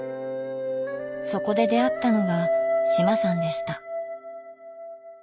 そこで出会ったのが志麻さんでした。